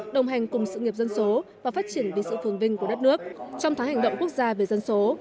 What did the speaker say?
đồng hành cùng sự nghiệp dân số và phát triển vì sự phồn vinh của đất nước trong tháng hành động quốc gia về dân số